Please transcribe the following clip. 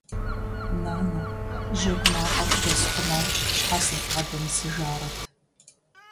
Нанэ, жьэгу мафӀэр бдэсхъумэу щхьэ сыббгъэдэмысыжарэт?!